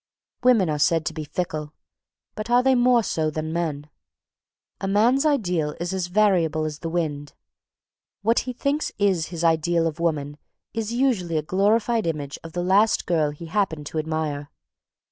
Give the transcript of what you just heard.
Women are said to be fickle, but are they more so than men? A man's ideal is as variable as the wind. What he thinks is his ideal of woman is usually a glorified image of the last girl he happened to admire.